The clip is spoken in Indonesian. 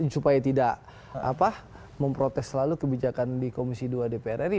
supaya tidak memprotes selalu kebijakan di komisi dua dpr ri